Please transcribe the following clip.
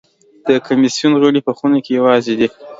د کمېسیون غړي په خونه کې یوازې دي.